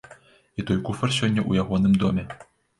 І той куфар сёння ў ягоным доме.